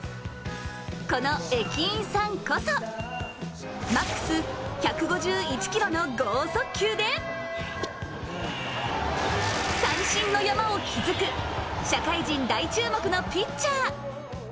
この駅員さんこそマックス１５１キロの剛速球で三振の山を築く社会人大注目のピッチャー。